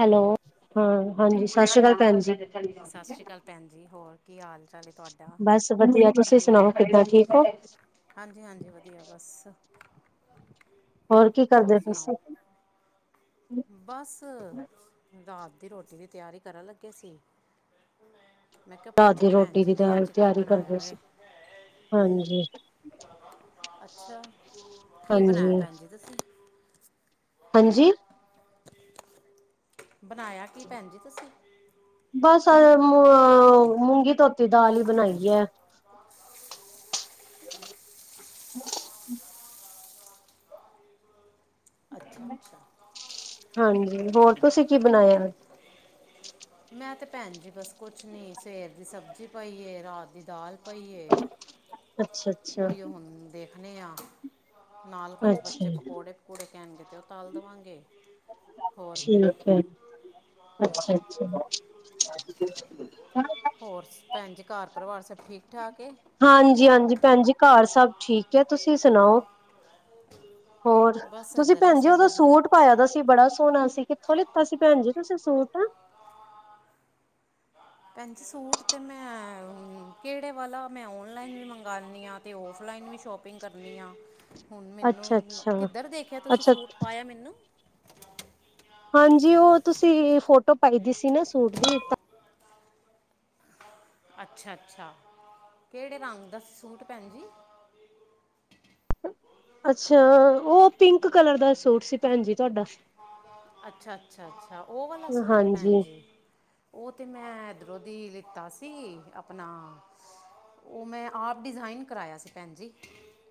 Hello ਹਾਂ ਹਾਂਜੀ ਸਤਿ ਸ੍ਰੀ ਅਕਾਲ ਭੈਣ ਜੀ। ਸਤਿ ਸ਼੍ਰੀ ਅਕਾਲ ਭੈਣ ਜੀ ਹੋਰ ਕੀ ਹਾਲ ਚਾਲ ਤੁਹਾਡਾ। ਬਸ ਵਧੀਆ ਤੁਸੀਂ ਸੁਣਾਓ ਕਿੱਦਾਂ ਠੀਕ ਹੋ। ਹਾਂਜੀ ਹਾਂਜੀ ਵਧੀਆ ਬਸ। ਹੋਰ ਕੀ ਕਰਦੇ ਫਿਰ। ਬਸ ਦਸ। ਰੋਟੀ ਦੀ ਤਿਆਰੀ ਕਰਨ ਲੱਗੇ ਸੀ। ਮੈਂ ਕਿਹਾ ਰਾਤ ਦੀ ਪੁੱਛਾਂ ਭੈਣ ਰੋਟੀ ਜੀ ਦੀ ਨੇ ਦਾਲ ਅੱਜ ਕੀ ਤਿਆਰੀ ਕਰਦੇ ਬਣਾਇਆ ਸੀ ਵੇ ਹਾਂਜੀ। ਅੱਛਾ ਕੀ ਬਣਾਇਆ ਹਾਂਜੀ ਭੈਣ ਜੀ ਤੁਸੀਂ। ਹਾਂਜੀ। ਬਣਾਇਆ ਕੀ ਭੈਣ ਜੀ ਤੁਸੀਂ? ਬਸ ਔ ਮ ਆ ਮੂੰਗੀ ਧੋਤੀ ਦਾਲ ਈ ਬਣਾਈ ਏ। [unintelligible] ਅੱਛਾ ਅੱਛਾ ਹਾਂਜੀ, ਹੋਰ ਤੁਸੀਂ ਕੀ ਬਣਾਇਆ? ਮੈਂ ਤੇ ਭੈਣ ਜੀ ਬਸ ਕੁਛ ਨੀ ਸਵੇਰ ਦੀ ਸਬਜ਼ੀ ਪਾਈਏ ਰਾਤ ਦੀ ਦਾਲ ਪਾਈਏ ਅੱਛਾ ਅੱਛਾ ਓਇਯੋ ਹੁਣ ਦੇਖਣੇ ਆ। ਨਾਲ ਕੁਛ ਬੱਚੇ ਅੱਛਾ ਪਕੌੜੇ-ਪਕੂੜੇ ਕਹਿਣਗੇ ਤੇ ਔ ਤਲ ਦਵਾਂਗੇ ਠੀਕ ਏ। ਅੱਛਾ, ਅੱਛਾ। ਹੋਰ ਭੈਣ ਜੀ ਘਰ ਪਰਿਵਾਰ ਸਭ ਠੀਕ-ਠਾਕ ਏ। ਹਾਂਜੀ ਹਾਂਜੀ ਭੈਣ ਜੀ ਘਰ ਸਭ ਠੀਕ ਏ। ਤੁਸੀਂ ਸੁਣਾਔ? ਹੋਰ ਬਸ ਤੁਸੀਂ ਇੱਧਰ ਵੀ ਭੈਣ ਜੀ ਸਭ ਔਦਾ ਵਧੀਆ ਸੂਟ ਪਾਇਆ ਦਾ ਸੀ ਬੜਾ ਸੋਹਣਾ ਸੀ ਕਿੱਥੋਂ ਲੀ ਤੁਸੀਂ ਭੈਣ ਜੀ ਤੁਸੀਂ ਸੂਟ ਭੈਣ ਜੀ, ਸੂਟ ਤੇ ਮੈਂ ਕਿਹੜੇ ਵਾਲਾ? ਮੈਂ ਓਨਲਾਈਨ ਵੀ ਮੰਗਉਦੀ ਹਾਂ ਤੇ ਔਫ ਔਨਲਾਈਨ, ਵੀ ਸ਼ੋਪਿੰਗ ਕਰਨੀ ਆ। ਹੁਣ ਅੱਛਾ ਮੈਨੂੰ, ਅੱਛਾ ਕਿੱਧਰ ਦੇਖਿਆ ਤੁਸੀਂ, ਅੱਛਾ ਸੂਟ ਪਾਇਆ ਮੈਨੂੰ? ਹਾਂਜੀ, ਉਹ ਤੁਸੀਂ ਫੋਟੋ, ਪਾਈ ਦੀ ਸੀ ਨਾ ਸੂਟ ਦੀ, ਤਾਂ ਅੱਛਾ ਅੱਛਾ, ਕਿਹੜੇ ਰੰਗ ਦਾ ਸੂਟ, ਭੈਣ ਜੀ। [inaudible] [unintelligible] ਅੱਛਾ, ਉਹ ਪਿੰਕ ਕਲਰ ਦਾ, ਸੂਟ ਸੀ ਭੈਣ ਜੀ ਤੁਹਾਡਾ ਅੱਛਾ--ਅੱਛਾ, ਉਹ ਵਾਲਾ ਸੂਟ ਭੈਣ ਹਾਂਜੀ ਜੀ ਉਹ ਤੇ ਮੈਂ ਵਿਰੋਧੀ ਲਿੱਤਾ, ਸੀ ਆਪਣਾ ਉਹ ਮੈਂ, ਆਪ ਡਿਜ਼ਾਇਨ ਕਰਾਇਆ ਸੀ, ਭੈਣ ਜੀ।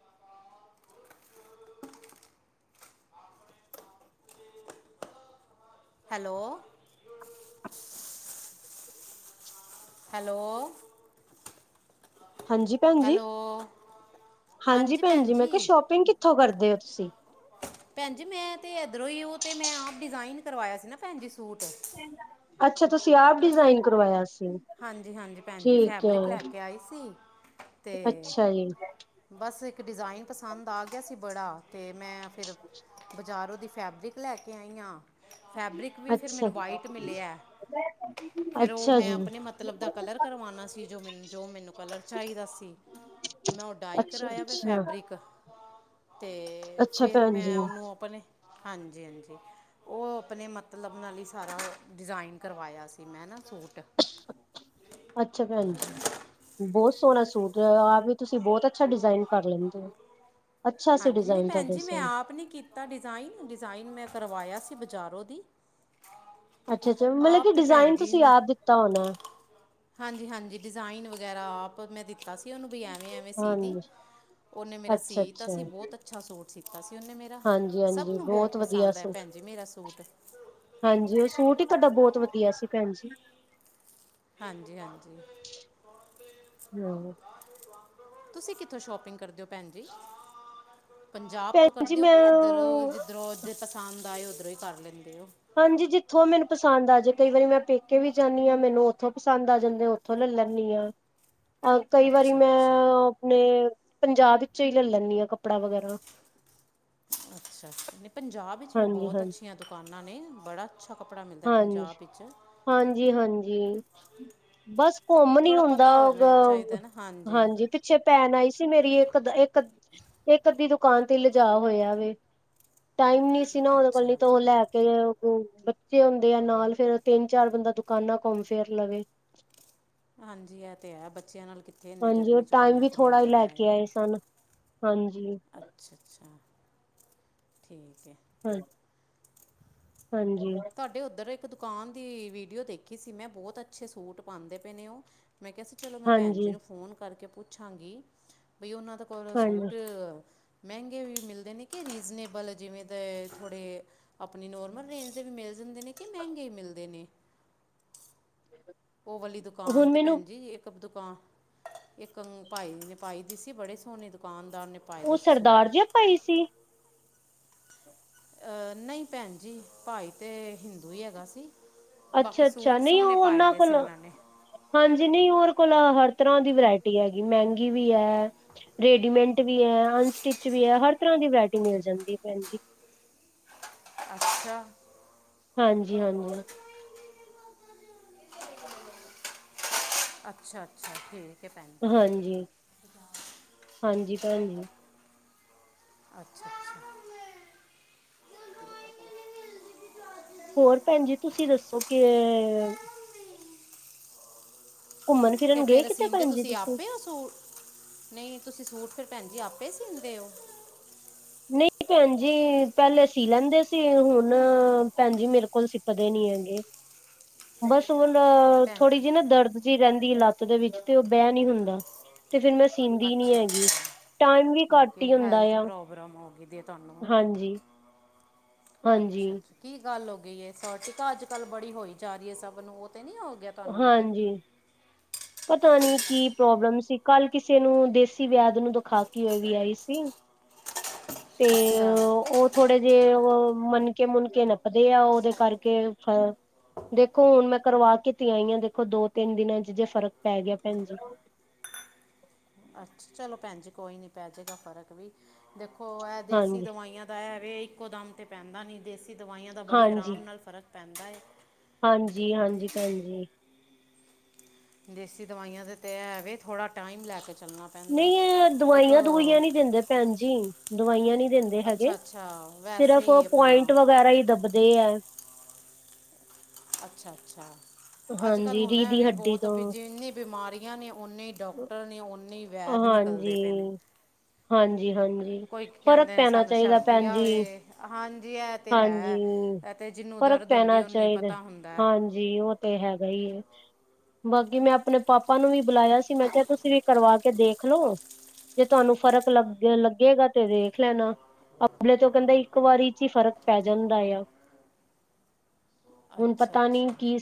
[unintelligible] [unintelligible] Hello, hello? ਹਾਂਜੀ ਭੈਣਜੀ ਹੈਲੋ ਹਾਂਜੀ ਭੈਣ ਜੀ, ਮੈਂ ਕਿਹਾ ਸ਼ੋਪਿੰਗ ਕਿੱਥੋਂ ਕਰਦੇ ਹੋ ਤੁਸੀ? ਭੈਣ ਜੀ, ਮੈਂ ਤੇ ਇਧਰੋਂ ਹੀ, ਉਹ ਤੇ ਮੈਂ ਆਪ, ਡਿਜ਼ਾਇਨ ਕਰਵਾਇਆ ਸੀ, ਨਾ ਭੈਣ ਜੀ। ਸੂਟ ਅੱਛਾ, ਤੁਸੀਂ ਆਪ ਡਿਜ਼ਾਇਨ ਕਰਵਾਇਆ ਸੀ। ਹਾਂਜੀ ਹਾਂਜੀ, ਭੈਣ ਜੀ ਠੀਕ ਫੈਬਰਿਕ ਲੈ ਹੈ ਕੇ ਆਈ ਸੀ ਤੇ ਅੱਛਾ ਜੀ ਬਸ, ਇੱਕ ਡਿਜ਼ਾਇਨ ਪਸੰਦ ਆ ਗਿਆ ਸੀ। ਬੜਾ ਅਤੇ ਮੈਂ, ਫਿਰ ਬਜ਼ਾਰੋਂ ਦੀ ਫੈਬਰਿਕ, ਲੈ ਕੇ ਆਈ ਹਾਂ। ਫੈਬਰਿਕ ਵੀ, ਫਿਰ ਅੱਛਾ ਮੈਨੂੰ ਵਾਈਟ ਮਿਲਿਆ, ਫਿਰ ਉਹ ਅੱਛਾ ਮੈਂ ਜੀ ਆਪਣੇ ਮਤਲਬ ਦਾ, ਕਲਰ ਕਰਵਾਉਣਾ ਸੀ। ਜੋ ਮੈਨੂੰ ਜੋ ਮੈਨੂੰ ਮੱਤਲਬ ਚਾਹੀਦਾ ਸੀ। ਮੈਂ ਓ ਡਾਈ ਅੱਛਾ ਕਰਾਇਆ ਅੱਛਾ ਫੈਬਰਿਕ। ਤੇ ਅੱਛਾ ਫਿਰ ਭੈਣ ਜੀ ਮੈਂ ਉਹਨੂੰ ਆਪਣੇ ਹਾਂਜੀ -ਹਾਂਜੀ। ਉਹ ਆਪਣੇ ਮਤਲਬ ਨਾਲ ਹੀ ਸਾਰਾ ਡਿਜ਼ਾਇਨ ਕਰਵਾਇਆ ਸੀ ਮੈਂ ਨਾ ਸੂਟ। ਅੱਛਾ ਭੈਣ ਜੀ। ਬਹੁਤ ਸੋਹਣਾ ਸੂਟ ਆਪ ਵੀ ਤੁਸੀਂ ਬਹੁਤ ਅੱਛਾ ਡਿਜ਼ਾਇਨ ਕਰ ਲੈਂਦੇ ਹੋ। ਅੱਛਾ ਸੀ ਹਾਂਜੀ ਨਹੀਂ ਡਿਜ਼ਾਇਨ ਭੈਣ ਤੁਹਾਡੇ ਜੀ ਮੈਂ ਸੂਟ ਆਪ ਨੀ ਕੀਤਾ ਡਿਜ਼ਾਇਨ ਡਿਜ਼ਾਇਨ ਮੈਂ। ਕਰਵਾਇਆ ਸੀ ਬਜ਼ਾਰੋਂ ਦੀ। ਅੱਛਾ ਅੱਛਾ ਮਤਲਬ ਆਪ ਕੀ ਤੇ ਭੈਣ ਡਿਜ਼ਾਇਨ ਜੀ ਤੁਸੀਂ ਨੇ ਆਪ ਦਿੱਤਾ ਹੋਣਾ। ਹਾਂਜੀ ਹਾਂਜੀ ਡਿਜ਼ਾਇਨ ਵਗੈਰਾ ਆਪ ਮੈਂ ਦਿੱਤਾ ਸੀ, ਉਹਨੂੰ ਵੀ ਐਵੇਂ ਐਵੇਂ ਸੀ ਦੀ ਹਾਂਜੀ ਉਹਨੇ ਮੇਰਾ ਸੀ। ਅੱਛਾ ਕੀਤਾ ਅੱਛਾ ਸੀ ਬਹੁਤ ਅੱਛਾ ਸੂਟ ਸੀਤਾ ਸੀ। ਕਿ ਉਹਨੇ ਮੇਰਾ ਹਾਂਜੀ ਸਭ ਹਾਂਜੀ ਨੂੰ ਬਹੁਤ ਵਧੀਆ ਪਸੰਦ ਹੈ ਸੂਟ ਭੈਣ ਜੀ ਮੇਰਾ ਸੂਟ। ਹਾਂਜੀ ਉਹ ਸੂਟ ਹੀ, ਤੁਹਾਡਾ ਬਹੁਤ ਵਧੀਆ ਸੀ, ਭੈਣ ਜੀ। ਹਾਂਜੀ ਹਾਂਜੀ। ਹਾਂ ਤੁਸੀਂ ਕਿੱਥੋਂ ਸ਼ੋਪਿੰਗ ਕਰਦੇ ਹੋ, ਭੈਣ ਜੀ? ਪੰਜਾਬ ਤੋਂ ਭੈਣ ਜੀ ਕਰਦੇ ਹੋ ਮੈਂ ਕਿ ਇੱਧਰ- ਜਿੱਧਰੋਂ ਪਸੰਦ ਆਏ ਉੱਧਰੋਂ ਹੀ ਕਰ ਲੈਂਦੇ ਹੋ? ਹਾਂਜੀ ਜਿੱਥੋਂ ਮੈਨੂੰ ਪਸੰਦ ਆ ਜੇ ਕਈ ਵਾਰੀ ਮੈਂ ਪੇਕੇ ਵੀ ਜਾਂਦੀ ਹਾਂ, ਮੈਨੂੰ ਉੱਥੋਂ ਪਸੰਦ ਆ ਜਾਂਦੇ ਉੱਥੋਂ ਲ। ਲੈਂਦੀ ਹਾਂ ਅ ਕਈ ਵਾਰੀ ਅੱਛਾ ਮੈਂ ਅੱਛਾ ਆਪਣੇ। ਪੰਜਾਬ ਵਿੱਚੋਂ ਹੀ ਲੈ ਲੈਂਦੀ ਹਾਂ, ਕੱਪੜਾ ਵਗੈਰਾ। ਅੱਛਾ ਨਹੀਂ ਪੰਜਾਬ ਵਿੱਚ ਵੀ ਹਾਂਜੀ ਬਹੁਤ ਹਾਂਜੀ ਅੱਛੀਆਂ ਦੁਕਾਨਾਂ ਨੇ ਬੜਾ। ਤੁਹਾਡੇ ਹਾਂਜੀ ਤਾਂਪੰਜਾਬ ਵਿੱਚ। ਹਾਂਜੀ ਹਾਂਜੀ ਬਸ ਘੁੰਮ ਨੀ ਥੋੜਾ ਹੁੰਦਾ। ਪਤਾ ਹੋਣਾ ਚਾਹੀਦਾ ਨਾ ਹਾਂਜੀ ਪਿੱਛੇ ਭੈਣ ਆਈ ਸੀ, ਮੇਰੀ ਇੱਕ ਅ ਇੱਕ ਇੱਕ ਅੱਧੀ ਦੁ। ਦੁਕਾਨ ਤੇ ਲਿਜਾ ਹੋਇਆ ਵ ਟਾਈਮ ਨੀ ਸੀ ਨਾ ਉਹਦੇ ਕੋਲ ਅੱਛਾ ਨ ਅੱਛਾ ਉਹ ਲੈ ਕੇ। ਬੱਚੇ ਹੁੰਦੇ ਆ ਨਾਲ ਫਿਰ ਤਿੰਨ ਚਾਰ ਬੰਦਾ ਦੁਕਾਨਾਂ ਘੁੰਮ ਫਿਰ ਲਵੇ। ਹਾਂਜੀ ਇਹ ਤੇ ਹੈ, ਬੱਚਿਆਂ ਨਾਲ। ਕਿੱਥੇ ਇੰਨੀ ਹਾਂਜੀ ਗਰਮੀ 'ਚ ਟਾਈਮ ਘੁੰਮਿਆ ਵੀ ਫਿਰਿਆ ਥੋੜਾ ਹੀ ਲੈ ਜਾਂਦਾ ਹੈ ਕੇ ਆਏ ਸਨ ਹਾਂਜੀ। ਅੱਛਾ ਅੱਛਾ ਠੀਕ ਹਾਂ। ਹਾਂਜੀ ਤੁਹਾਡੇ ਉੱਧਰ ਇੱਕ ਦੁਕਾਨ ਦੀ ਵੀਡੀਓ ਦੇਖੀ ਸੀ, ਮੈਂ ਬਹੁਤ ਅੱਛੇ ਸੂਟ ਪਾਉਦੇ ਪਏ ਨੇ ਉਹ। ਮੈਂ ਕਿਹਾ ਸੀ ਚਲੋ ਮੈਂ ਭੈਣ ਹਾਂਜੀ ਜੀ ਨੂੰ ਫੋਨ ਕਰਕੇ ਪੁੱਛਾਂਗੀ ਬਈ ਉਹਨਾਂ ਹਾਂਜੀ ਸੂਟ। ਮਹਿੰਗੇ ਵੀ ਮਿਲਦੇ ਨੇ ਕਿ ਰੀਜ਼ਨੇਬਲ ਜਿਵੇਂ ਤਾਂ ਥੋੜ੍ਹੇ ਆਪਣੀ ਨੋਰਮਲ ਰੇਂਜ। ਵੀ ਮਿਲ ਜਾਂਦੇ ਨੇ ਕਿ ਮਹਿੰਗੇ ਮਿਲਦੇ ਨੇ? ਉਹ ਵਾਲੀ ਦੁਕਾਨ ਹੁਣ ਤੇ ਭੈਣ ਮੈਨੂੰ ਜੀ ਇੱਕ ਦੁ। ਦੁਕਾਨ ਇੱਕ ਭਾਈ ਨੇ ਪਾਈ ਸੀ ਬੜੀ ਸੋਹਣੀ ਦੁਕਾਨ। ਉਹ ਸਰਦਾਰ ਜਿਹਾ ਭਾਈ ਸੀ। ਅਹ ਨਹੀਂ ਭੈਣ ਜੀ ਭਾਈ ਤੇ ਹਿੰਦੂ ਹੀ ਹੈਗਾ ਸੀ। ਅੱਛਾ ਬਾਕੀ ਅੱਛਾ ਸੂਟ ਨਹੀਂ ਸੋਹਣੇ ਉਹ ਪਾਏ ਉਹਨਾਂ ਦੇ ਕੋਲ ਸੀ ਨੇ ਹਾਂਜੀ ਨਹੀਂ ਹੋਰ ਕੋਲ ਹਰ ਤਰ੍ਹਾਂ ਦੀ ਵਰਾਇਟੀ ਹੈਗੀ ਮਹਿੰਗੀ ਵੀ ਹੈ ਰੇਡੀਮੇਟ ਵੀ ਹੈ ਅਨਸਟਿਚ ਵੀ ਹੈ ਹਰ ਤਰ੍ਹਾਂ। ਦੀ ਵਰੈਟੀ ਮਿਲ ਜਾਂਦੀ ਹੈ ਭੈਣ ਜੀ। ਅੱਛਾ ਹਾਂਜੀ ਹਾਂਜੀ। ਅੱਛਾ ਅੱਛਾ ਠੀਕ। ਹੈ ਭੈਣ ਜੀ ਹਾਂਜੀ ਹਾਂਜੀ ਭੈਣ ਜੀ ਅੱਛਾ ਅੱਛਾ ਹੋਰ ਭੈਣ ਜੀ ਤੁਸੀਂ ਦੱਸੋ ਕੇ ਤੇ ਫਿਰਨ ਗਏ ਫੇਰ ਕਿਤੇ ਸੀਂਦੇ ਭੈਣ ਜੀ ਤੁਸੀਂ ਆਪੇ ਹੋ ਸੂਟ ਨਹੀਂ ਤੁਸੀਂ ਸੂਟ ਫਿਰ ਭੈਣ ਜੀ ਆਪੇ ਸੀਂਦੇ ਹੋ? ਨਹੀਂ ਭੈਣ ਜੀ ਪਹਿਲੇ ਸੀ ਲੈਂਦੇ ਸੀ, ਹੁਣ ਭੈਣ ਜੀ ਮੇਰੇ ਕੋਲ ਸਿਕਦੇ ਨੀ ਹੈਗੇ। ਬਸ [unintelligible] ਭੈਣ ਥੋੜ੍ਹੀ ਜਿਹੀ ਨਾ ਦਰਦ ਜਿਹੀ ਰਹਿੰਦੀ ਲੱਤ ਦੇ ਵਿੱਚ ਤੇ, ਉਹ ਬਹਿ ਨੀ ਹੁੰਦਾ। ਤੇ ਫਿਰ ਮੈਂ ਸੀਂਦੀ ਨੀ ਅੱਛਾ ਹੈਗੀ, ਅੱਛਾ ਟਾਈਮ ਵੀ ਘੱਟ ਹੀ ਹੁੰਦਾ ਆ। ਹੋਗੀ ਦੀ ਤੁਹਾਨੂੰ ਹਾਂਜੀ, ਹਾਂਜੀ, ਅੱਛਾ ਅੱਛਾ ਕੀ ਗੱਲ ਹੋ ਗ ਗਈ ਸਟਿਕਾ ਅੱਜ ਕੱਲ ਬੜੀ ਹੋਈ ਜਾ ਰਹੀ ਹੈ। ਸਭ ਨੂੰ ਉਹ ਤੇ ਨੀ ਹੋ ਗਿਆ, ਤੁਹਾਨੂੰ ਕਿਤੇ? ਹਾਂਜੀ। ਪਤਾ ਨੀ ਕੀ ਪ੍ਰੋਬਲਮ ਸੀ, ਕੱਲ ਕਿਸੇ ਨੂੰ ਦੇਸੀ ਵੈਦ ਨੂੰ ਦਿਖਾ ਕੇ ਵੀ ਆਈ ਸੀ। ਤੇ ਅੱਛਾ ਉਹ ਥੋੜੇ ਜੇ ਉਹ ਮਨਕੇ ਮੁਨਕੇ ਨੱਪਦੇ ਆ, ਉਹਦੇ ਕਰਕੇ ਦੇਖੋ। ਹੁਣ ਮੈਂ ਕਰਵਾ ਕੀਤੀ ਆਈ ਆ, ਦੇਖੋ ਦੋ ਤਿੰਨ ਦਿਨਾਂ ਚ ਜੇ ਫਰਕ ਪੈ ਗਿਆ ਭੈਣ ਜੀ। ਚਲੋ ਭੈਣ ਜੀ। ਕੋਈ ਨੀ ਪੈ ਜਾੇਗਾ ਫਰਕ ਵੀ, ਦੇਖੋ ਇਹ ਦੇਸੀ ਹਾਂਜੀ, ਦਵਾਈਆਂ ਦਾ ਐਵੇ ਇੱਕੋ ਦਮ ਤੇ ਪੈਂਦਾ ਨਹੀਂ, ਦੇਸੀ ਦਵਾਈਆਂ ਦਾ ਬੜੀ ਆਰਾਮ ਹਾਂਜੀ, ਨਾਲ ਫ਼ਰਕ ਪੈਂਦਾ ਹੈ। ਹਾਂਜੀ ਹਾਂਜੀ ਭੈਣਜੀ। ਦੇਸੀ ਦਵਾਈਆਂ ਦਾ ਤੇ ਐ ਵੇ, ਥੋੜਾ ਨਹੀਂ ਇੱਕ ਦਵਾਈਆਂ ਦਵੁਇਅਂ ਨੀ ਦਿੰਦੇ ਭੈਣ ਜੀ, ਦਵਾਈਆਂ ਨੀ ਦਿੰਦੇ ਅੱਛਾ ਹੈਗੇ ਅੱਛਾ ਵੈਸੇ ਸਿਰਫ ਹੀ ਆਪਣਾ ਪੁਆਇੰਟ ਵਗੈਰਾ ਹੀ ਦੱਬਦੇ ਐ। ਅੱਛਾ ਅੱਛਾ ਅੱਜ ਕੱਲ ਹਾਂਜੀ ਹੁਣ ਰੀਹ ਦੀ ਵੀ ਹੱਡੀ ਬਹੁਤ ਤੋਂ ਬੀ ਜਿੰਨੀ ਬਿਮਾਰੀਆਂ ਨੇ, ਓਨੇ ਡਾਕਟਰ ਨੇ ਊਨੀ, ਹਾਂਜੀ, ਹਾਂਜੀ। ਕੋਈ ਕਹਿੰਦੇ ਨੇ ਸਾਨੂੰ ਭੈਣ ਸ਼ਰਤੀਆ ਜੀ, ਵੈ ਹਾਂਜੀ, ਇਹ ਤੇ ਹਾਂਜੀ ਹੈ। ਤੇ ਜਿੰਨੂੰ ਫ਼ਰਕ ਦਰਦ ਹੁੰਦੀ ਪੈਣਾ ਉਹਨੂੰ ਹੀ ਚਾਹੀਦਾ। ਪਤਾ ਹੁੰਦਾ ਹੈ। ਹਾਂਜੀ, ਉਹ ਤੇ ਹੈ ਬਈ। ਬਾਕੀ, ਮੈਂ ਆਪਣੇ ਪਾਪਾ ਨੂੰ ਵੀ ਬੁਲਾਇਆ ਸੀ। ਮੈਂ ਕਿਹਾ ਤੁਸੀਂ ਵੀ ਕਰਵਾ, ਕੇ ਦੇਖਲੋ, ਜੇ ਤੁਹਾਨੂੰ ਫ਼ਰਕ ਲੱਗ ਲੱਗੇਗਾ ਤੇ ਵੈਖ ਲੈਣਾ। ਅਬਲੇ ਤੋਂ ਕਹਿੰਦਾ ਇੱਕ ਵਾਰੀ ਚ ਹੀ ਫ਼ਰਕ ਪੈ ਜਾਂਦਾ ਆ। ਹੁਣ ਅੱਛਾ ਪਤਾ ਨੀ ਅੱਛਾ ਕਿ,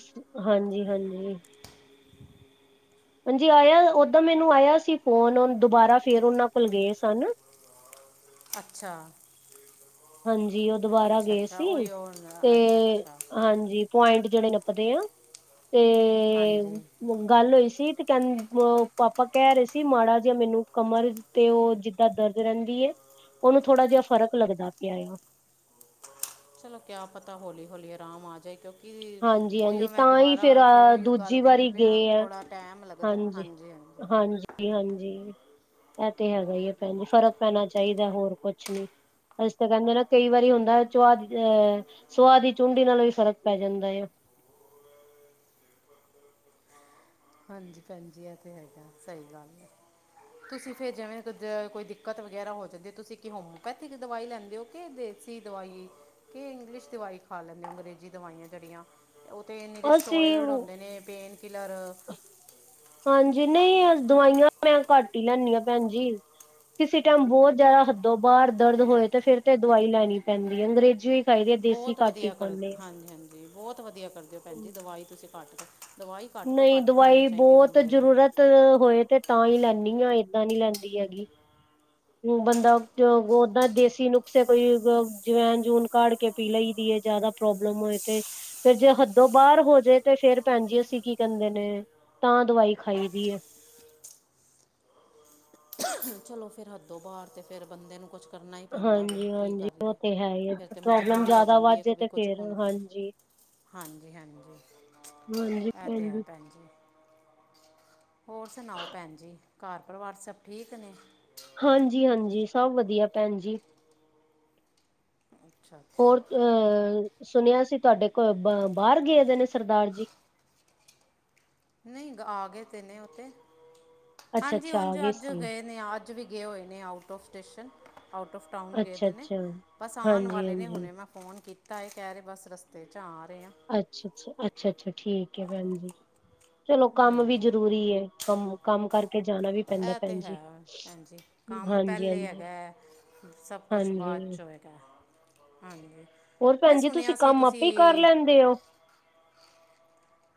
ਹਾਂਜੀ ਹਾਂਜੀ। ਹਾਂਜੀ। ਆਇਆ ਓਦਾਂ ਮੈਨੂੰ ਆਇਆ ਸੀ, ਫੋਨ ਦੁਬਾਰਾ ਫੇਿਰ ਉਹਨਾਂ ਕੋਲ ਗਏ ਸਨ। ਅੱਛਾ। ਹਾਂਜੀ। ਉਹ ਦੁਬਾਰਾ ਅੱਛਾ ਗਏ ਅੱਛਾ ਸੀ, ਉਹੀ ਉਹ ਤੇ ਹੁੰਦਾ, ਅੱਛਾ ਅੱਛਾ ਹਾਂਜੀ ਪੁਆਇੰਟ ਜਿਹੜੇ ਨਪਦੇ ਆ, ਤੇ ਹਾਂਜੀ ਗੱਲ ਹੋਈ ਸੀ। ਤੇ ਕਹ ਪਾਪਾ ਕਹਿ ਰਹੇ ਸੀ, ਮਾੜਾ ਜਿਹਾ ਮੈਨੂੰ ਕਮਰ ਤੇ ਉਹ ਜਿਦਾਂ ਦਰਦ ਰਹਿੰਦੀ ਏ। ਉਹਨੂੰ ਥੋੜ੍ਹਾ ਜਿਹਾ ਫ਼ਰਕ ਲੱਗਦਾ ਪਿਆ ਆ। ਚਲੋ ਕਿਆ ਪਤਾ ਹੋੌਲੀ ਹੋਲੀ, ਆਰਾਮ ਆ ਜਾਏ। ਕਿਉਂਕਿ ਹਾਂਜੀ ਉਹੀਓ, ਹਾਂਜੀ ਮੈਂ ਤਾਂ ਹੀ ਦੁਬਾਰਾ ਫੇਰ ਫਿਰ ਅ ਉਹੀਓ, ਗੱਲ ਦੂਜੀ ਕਰਨਹਿ ਵਾਰੀ ਪਿਆ ਗਏ ਆ ਥੋੜ੍ਹਾ ਟਾਈਮ ਲੱਗਦਾ। ਹਾਂਜੀ। ਹਾਂਜੀ ਹਾਂਜੀ ਹਾਂਜੀ। ਇਹ ਤੇ ਹੈਗਾ ਹੈ, ਭੈਣ ਜੀ ਫ਼ਰਕ ਪੈਣਾ ਚਾਹੀਦਾ ਹੋਰ ਕੁਛ ਨੀ ਇਸ ਤੇ ਕਹਿੰਦੇ ਨਾ ਕਈ ਵਾਰੀ ਹੁੰਦਾ, ਸੁਹਾ ਦੀ ਅਹ ਸੁਹਾ ਦੀ ਚੁੰਡੀ ਨਾਲੋਂ ਵੀ ਫ਼ਰਕ ਪੈ ਜਾਂਦਾ। ਲਓ! ਹਾਂਜੀ, ਭੈਣਜੀ। ਇਹ ਤੇ ਹੈਗਾ ਸਹੀ ਗੱਲ ਆ ਤੁਸੀਂ ਫੇਰ ਜਿਵੇਂ ਕੋਈ ਦਿੱਕਤ ਵਗੈਰਾ ਹੋ ਜਾਂਦੀ। ਤੁਸੀਂ ਕਿ ਹੋਮਓਪੈਥਿਕ ਦਵਾਈ ਲੈਂਦੇ ਹੋ ਕਿ ਦਵਾਈ, ਕਿ ਇੰਗਲਿਸ਼ ਦਵਾਈ ਖਾ ਲੈਂਦੇ ਅੰਗਰੇਜ਼ੀ ਦਵਾਈਆਂ ਜਿਹੜੀਆਂ? ਉਹ ਤੇ ਨਿੜੇ ਸਟੋਇਰਡ ਅਸੀਂ ਹੁੰਦੇ ਨੇ, ਪੇਨ ਕਿਲਰ ਹਾਂਜੀ ਨਹੀਂ, ਦਵਾਈਆਂ ਮੈਂ ਘੱਟ ਹੀ ਲੈਨੀ ਐਂ, ਭੈਣ ਜੀ। ਕਿਸੇ ਟਾਈਮ ਬਹੁਤ ਜਿਆਦਾ ਹੱਦੋ ਬਾਹਰ ਦਰਦ ਹੋਏ, ਤੇ ਫੇਰ ਤੇ ਦਵਾਈ ਲੈਣੀ ਪੈਂਦੀ ਐ ਅੰਗਰੇਜ਼ੀ ਖਾਈਦੇ ਆ, ਦੇਸੀ ਬਹੁਤ ਘਾਟੀ ਵਧੀਆ ਕਰ ਗਾਨੇ ਆ। ਹਾਂਜੀ ਹਾਂਜੀ ਬਹੁਤ ਵਧੀਆ ਕਰਦੇ ਓ, ਭੈਣ ਜੀ ਦਵਾਈ ਤੁਸੀਂ ਕੱਟ ਕੇ, ਨਹੀਂ, ਦਵਾਈ ਬਹੁਤ ਨੂੰ ਜ਼ਰੂਰਤ ਹੋਏ ਤੇ ਤਾਂ ਹੀ ਲੈਂਨੀ ਆ। ਮੈਂ ਨੀ ਲੈਂਦੀ ਹੈਗੀ। ਹ ਬੰਦਾ ਓਦਾਂ ਦੇਸੀ ਨੁਕਸੇ ਕੋਈ ਜਵੈਨ ਜੂਨ ਕਾੜ ਕੇ ਪੀ ਲਈ ਦੀ ਹੈ। ਜਿਆਦਾ ਪ੍ਰੋਬਲਮ ਹੋਏ ਤੇ ਫੇਰ ਜੇ ਹੱਦੋਂ ਬਾਹਰ ਹੋ ਜਾਏ ਤੇ ਫੇਰ ਭੈਣ ਜੀ, ਅਸੀਂ ਕੀ ਕਹਿੰਦੇ ਨੇ? ਤਾਂ ਦਵਾਈ ਖਾਈ ਦੀ ਹੈ। ਚਲੋ ਫਿਰ ਹੱਦੋਂ ਬਾਹਰ ਤੇ ਫਿਰ ਬੰਦੇ ਨੂੰ ਕੁਛ ਕਰਨਾ ਹੀ ਪੈਂਦਾ ਵੀ ਹਾਂਜੀ ਕੀ ਹਾਂਜੀ ਉਹ ਕਰੀਏ, ਤੇ ਹੈ ਹੀ ਹੈ, ਫਿਰ ਤਾਂ ਪ੍ਰੋਬਲਮ ਮਜ਼ਬੂਰੀ ਹੋ ਜਿਆਦਾ ਜਾਂਦੀ ਵੱਧ ਹੈ ਕ ਜੇ ਵੀ ਤੇ ਕੁਛ ਫੇਰ ਹੁਣ ਹਾਂਜੀ ਹਾਂਜੀ-ਹਾਂਜੀ, ਇਹ ਤੇ ਹੈ ਭੈਣ ਜੀ। ਹੋਰ ਸੁਣਾਓ ਭੈਣ ਜੀ, ਘਰ ਪਰਿਵਾਰ ਸਭ ਠੀਕ ਨੇ? ਹਾਂਜੀ ਹਾਂਜੀ ਸਭ ਵਧੀਆ ਭੈਣ ਜੀ। ਅੱਛਾ ਅੱਛਾ ਹੋਰ ਅਹ ਸੁਣਿਆ ਸੀ, ਤੁਹਾਡੇ ਕੋਲ ਬ ਬਾਹਰ ਗਏ ਦੇ ਨੇ ਸਰਦਾਰ ਜੀ। ਨਹੀਂ ਆ, ਗਏ ਤਨੇ ਉੱਥੇ ਅੱਛਾ ਹਾਂਜੀ, ਅੱਛਾ ਆ ਉਂਝ ਅੱਜ ਸੀ ਗਏ ਨੇ ਅੱਜ ਵੀ ਗਏ ਹੋਏ ਨੇ, out of station out of town ਗਏ, ਅੱਛਾ ਦੇ ਨੇ ਅੱਛਾ ਬਸ ਆਣ ਹਾਂਜੀ ਵਾਲੇ ਨੇ ਹਾਂਜੀ ਹੁਣੇ ਮੈਂ ਫੋਨ ਕੀਤਾ। ਤਾਂ ਇਹ ਕਹਿ ਰਹੇ ਬੱਸ ਰਸਤੇ ਚ ਆ ਰਹੇ। ਆ ਅੱਛਾ-ਅੱਛਾ-ਅੱਛਾ-ਅੱਛਾ, ਠੀਕ ਹੈ ਵੈ ਜੀ ਚਲੋ ਕੰਮ ਵੀ ਹਾਂਜੀ ਜਰੂਰੀ ਹੈ। ਕੰਮ-ਕੰਮ ਕਰਕੇ ਜਾਣਾ ਵੀ ਪੈਂਦਾ ਇਹ ਤੇ ਭੈਣ ਹੈ, ਜੀ ਹਾਜੀ ਕੰਮ ਹਾਂਜੀ ਪਹਿਲੇ ਹਾਂਜੀ ਹੈਗਾ, ਸਭ ਕੁਛ ਹਾਂਜੀ ਬ ਅੱਛਾ ਜੀ ਹੈਗਾ, ਹਾਂਜੀ। ਹੋਰ ਮੈਂ ਭੈਣ ਜੀ, ਤੁਸੀਂ ਸੁਣਿਆ ਸੀ ਕੰਮ ਆਪੇ ਕਰ ਤੁਸੀਂ ਲੈਂਦੇ ਹੋ?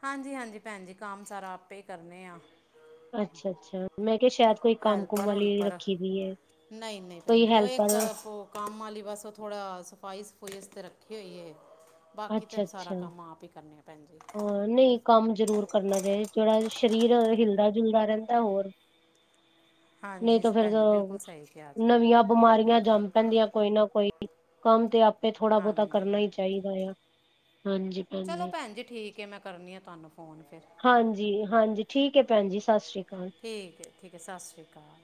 ਹਾਂਜੀ ਹਾਂਜੀ ਭੈਣ ਜੀ ਕੰਮ ਸਾਰਾ ਆਪੇ ਕਰਨੇ ਆ। ਅੱਛਾ-ਅੱਛਾ, ਮੈਂ ਕਿਹਾ ਸ਼ਾਇਦ ਕੋਈ ਕੰਮ ਕੁਮ ਵਾਲੀ ਰੱਖੀ ਦੀ ਹੈ। ਨਹੀਂ-ਨਹੀਂ ਭੈਣ ਜੀ, ਉਹ ਇੱਕ ਕੰਮ ਵਾਲੀ ਬਸ ਥੋੜਾ ਸਫ਼ਾਈ ਪੁਲਿਸ ਤਰੱਕੀ ਹੋ ਹੈ, ਬਾਕੀ ਤਾਂ ਸਾਰਾ ਅੱਛਾ-ਅੱਛਾ ਕੰਮ ਆਪ ਹੀ ਕਰਨੇ ਹੁੰਦਾ। ਹਾਂ ਨਹੀਂ ਕੰਮ ਜ਼ਰੂਰ ਕਰਨਾ ਚਾਹੀਦਾ, ਜਿਹੜਾ ਸਰੀਰ ਹਿਲਦਾ-ਜੁਲਦਾ ਰਹਿੰਦਾ ਹੋਰ ਨਹੀਂ ਹਾਂਜੀ ਤਾਂ ਫੇਰ ਭੈਣ ਜੀ ਬਿਲਕੁਲ ਸਹੀ ਕਿਹਾ ਜੀ ਨਵੀਆਂ ਬਿਮਾਰੀਆਂ ਜੰਮ ਪੈਂਦੀਆਂ ਕੋਈ ਨਾ ਕੋਈ। ਕੰਮ ਤੇ ਆਪੇ ਥੋੜਾ ਬਹੁਤਾ ਕਰਨਾ ਹਾਂਜੀ ਹੀ ਚਾਹੀਦਾ, ਆ ਹਾਂਜੀ ਭੈਣ ਜੀ। ਮੈਂ ਕਰਨੀ ਆ ਤੁਹਾਨੂੰ। ਫੋਨ ਫਿਰ ਹਾਂਜੀ-ਹਾਂਜੀ, ਠੀਕ ਹੈ ਭੈਣ ਜੀ ਸਤਿ ਸ੍ਰੀ ਅਕਾਲ। ਠੀਕ ਹੈ ਠੀਕ ਹੈ, ਸਤਿ ਸ਼੍ਰੀ ਅਕਾਲ।